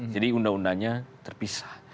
jadi undang undangnya terpisah